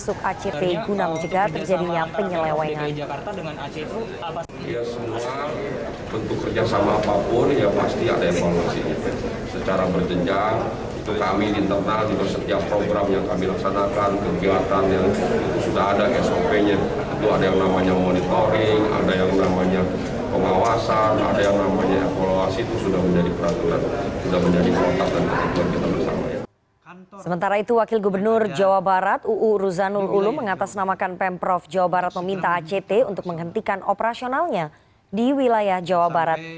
uu ruzanul ulu mengatasnamakan pemprov jawa barat meminta act untuk menghentikan operasionalnya di wilayah jawa barat